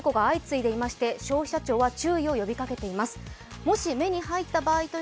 こうした事故が相次いでいまして、消費者庁は注意を呼びかけています。